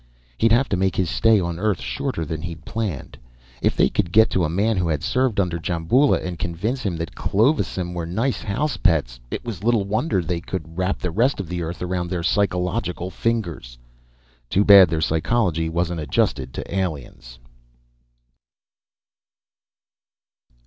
He'd have to make his stay on Earth shorter than he'd planned. If they could get to a man who had served under Djamboula and convince him that Clovisem were nice house pets, it was little wonder they could wrap the rest of Earth around their psychological fingers. Too bad their psychology wasn't adjusted to aliens!